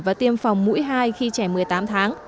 và tiêm phòng mũi hai khi trẻ một mươi tám tháng